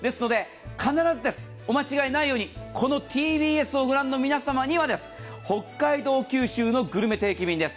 必ずお間違えないように、このＴＢＳを御覧の皆様には北海道・九州のグルメ定期便です。